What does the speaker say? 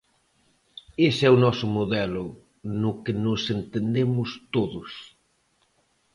Ese é o noso modelo, no que nos entendemos todos.